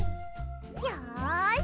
よし！